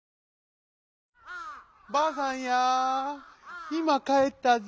「ばあさんやいまかえったぞ。